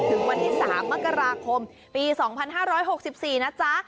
ถึงวันที่๓มกราคมปี๒๕๖๔นะจ๊ะ